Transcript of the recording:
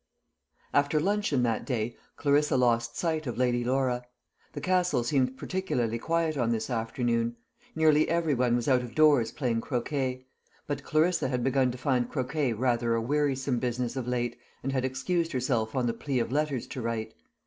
After luncheon that day, Clarissa lost sight of Lady Laura. The Castle seemed particularly quiet on this afternoon. Nearly every one was out of doors playing croquet; but Clarissa had begun to find croquet rather a wearisome business of late, and had excused herself on the plea of letters to write.